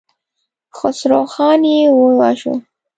خسروخان يې وواژه.